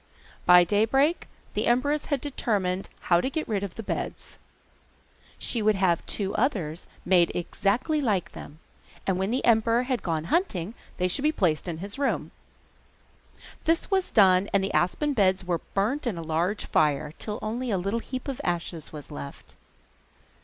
By daybreak the empress had determined how to get rid of the beds. She would have two others made exactly like them, and when the emperor had gone hunting they should be placed in his room. This was done and the aspen beds were burnt in a large fire, till only a little heap of ashes was left.